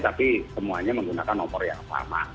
tapi semuanya menggunakan nomor yang sama